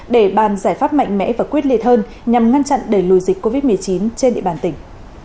để bàn giải pháp mạnh mẽ và quyết liệt hơn nhằm ngăn chặn đẩy lùi dịch covid một mươi chín trên địa bàn tỉnh